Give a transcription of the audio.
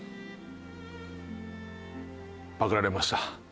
パクられました。